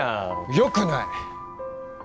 よくない！